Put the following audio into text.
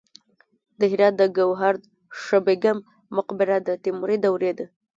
د هرات د ګوهردش بیګم مقبره د تیموري دورې ده